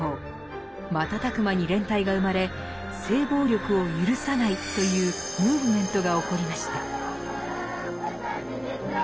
瞬く間に連帯が生まれ性暴力を許さないというムーブメントが起こりました。